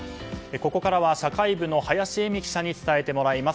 ここからは社会部の林英美記者に伝えてもらいます。